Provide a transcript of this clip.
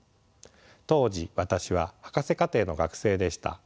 当時私は博士課程の学生でした。